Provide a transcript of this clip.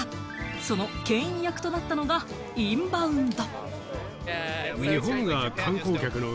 そのけん引役となったのがインバウンド。